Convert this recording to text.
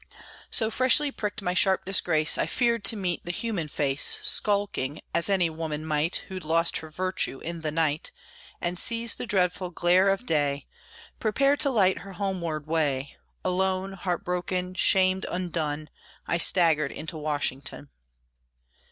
So freshly pricked my sharp disgrace, I feared to meet the human face, Skulking, as any woman might, Who'd lost her virtue in the night, And sees the dreadful glare of day Prepare to light her homeward way, Alone, heart broken, shamed, undone, I staggered into Washington!